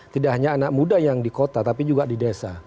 tidak hanya anak muda yang di kota tapi juga di desa